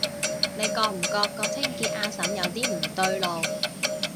你覺唔覺個清潔阿嬸有啲唔對路？